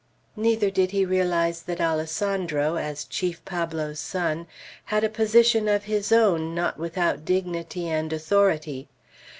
Neither did he realize that Alessandro, as Chief Pablo's son, had a position of his own not without dignity and authority.